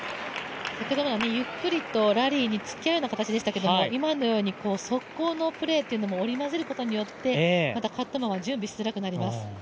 先ほどのはゆっくりとラリーにつきあうようなプレーでしたけど今のように速攻のプレーというのも織り交ぜることによって、またカットマンは準備しづらくなります。